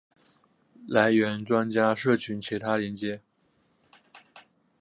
来源专家社群其他连结